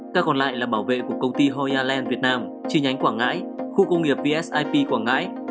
các còn lại là bảo vệ của công ty hoyan việt nam chi nhánh quảng ngãi khu công nghiệp vsip quảng ngãi